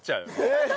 えっ！